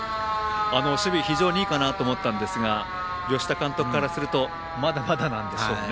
守備、非常にいいかなと思ったんですが吉田監督からするとまだまだなんでしょうね。